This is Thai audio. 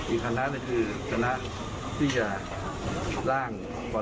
อีกคณะนี่คือคณะที่จะล่างพรบทุ่มหายนะ